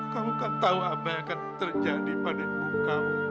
kamu gak tahu apa yang akan terjadi pada ibu kamu